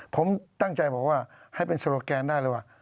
ผมตั้งใจบอกว่าให้เป็นโลแกนได้เลยว่า